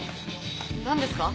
何ですか？